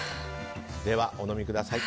では、お飲みください。